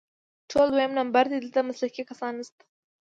ټول دویم نمبر دي، دلته مسلکي کسان نشته